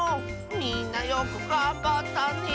みんなよくがんばったね。